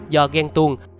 do ghen tuôn